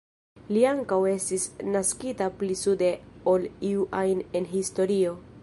Li ankaŭ estis naskita pli sude ol iu ajn en historio.